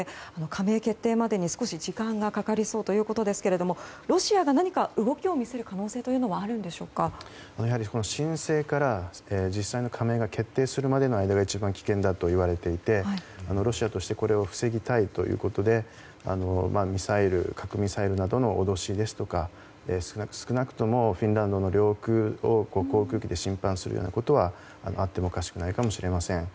加盟決定までに少し時間がかかりそうですがロシアが何か動きを見せる可能性は申請から実際の加盟が決定するまでの間が一番危険だと言われていてロシアとしてこれを防ぎたいということで核・ミサイルなどの脅しですとか少なくともフィンランドの領空を航空機で侵犯するようなことはあってもおかしくないかもしれません。